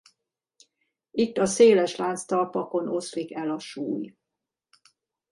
Itt a széles lánctalpakon oszlik el a súly.